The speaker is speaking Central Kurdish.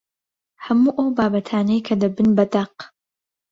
هەموو ئەو بابەتانەی کە دەبن بە دەق